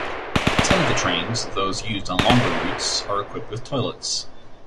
Ten of the trains (those used on longer routes) are equipped with toilets.